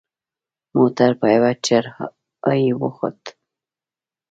موټر په یوه چړهایي وخوت.